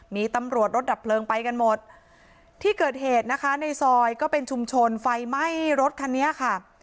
มีตำรวจรถดับเพลิงไปกันหมดที่เกิดเหตุนะคะในซอยก็เป็นชุมชนไฟไหม้รถคันนี้ค่ะ